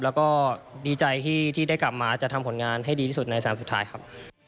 แล้วก็ดีใจที่ได้กลับมาจะทำผลงานให้ดีที่สุดในสนามสุดท้ายครับ